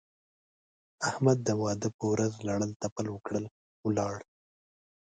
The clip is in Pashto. احمد د واده په ورځ لړل تپل وکړل؛ ولاړ.